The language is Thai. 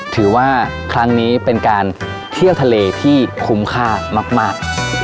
ถือว่าครั้งนี้เป็นการเที่ยวทะเลที่คุ้มค่ามาก